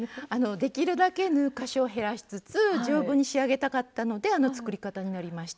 できるだけ縫う箇所を減らしつつ丈夫に仕上げたかったのであの作り方になりました。